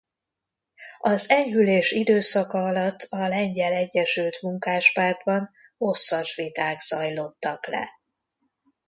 Az enyhülés időszaka alatt a Lengyel Egyesült Munkáspártban hosszas viták zajlottak le.